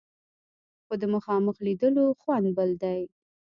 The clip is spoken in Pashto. خو د مخامخ لیدلو خوند بل دی.